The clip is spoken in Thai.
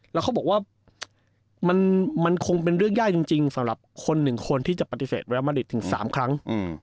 แล้วเขาบอกว่ามันคงเป็นเรื่องยากจริงสำหรับคนหนึ่งคนที่จะปฏิเสธไรมาริดถึง๓ครั้ง